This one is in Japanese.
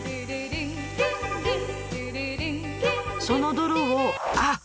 その泥をあっ！